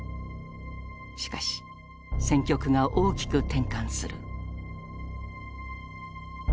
しかし戦局が大きく転換する。